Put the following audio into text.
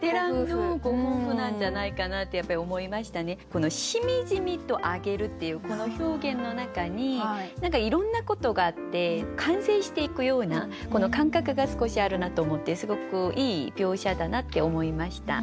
この「しみじみと揚げる」っていうこの表現の中に何かいろんなことがあって完成していくようなこの感覚が少しあるなと思ってすごくいい描写だなって思いました。